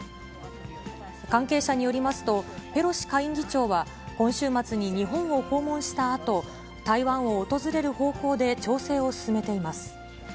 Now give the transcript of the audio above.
関係者によりますと、ペロシ下院議長は、今週末に日本を訪問したあと、台湾を訪れる方向で調整を進めています。